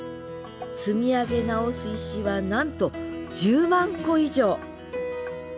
積み上げ直す石はなんと１０万個以上！